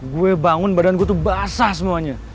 gue bangun badan gue tuh basah semuanya